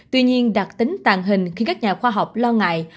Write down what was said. tuy nhiên đặc tính tàng hình khiến các nhà khoa học lo ngại